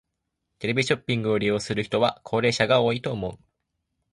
テレビショッピングを利用する人は高齢者が多いと思う。